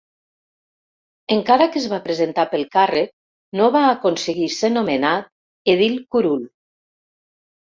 Encara que es va presentar pel càrrec, no va aconseguir ser nomenat edil curul.